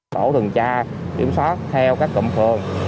tổ tuần tra kiểm soát theo các cộng phường